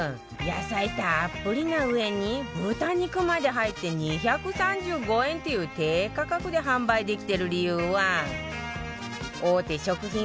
野菜たっぷりなうえに豚肉まで入って２３５円っていう低価格で販売できてる理由は大手食品